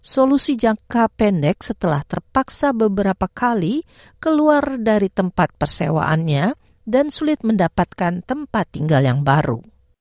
solusi jangka pendek setelah terpaksa beberapa kali keluar dari tempat persewaannya dan sulit mendapatkan tempat tinggal yang baru